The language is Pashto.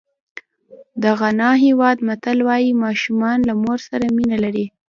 د غانا هېواد متل وایي ماشومان له مور سره مینه لري.